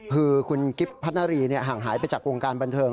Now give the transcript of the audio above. คือคุณกิ๊บพัฒนารีห่างหายไปจากวงการบันเทิง